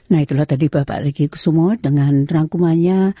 nah itulah tadi bapak ricky kusumo dengan rangkumannya